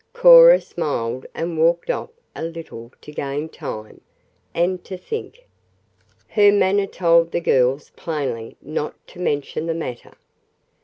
Cora smiled and walked off a little to gain time, and to think. Her manner told the girls plainly not to mention the matter.